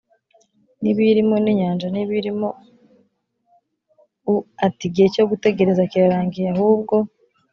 N ibiyirimo n inyanja n ibiyirimo u ati igihe cyo gutegereza kirarangiye ahubwo